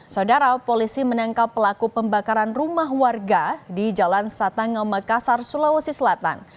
saudara polisi menangkap pelaku pembakaran rumah warga di jalan satange makassar sulawesi selatan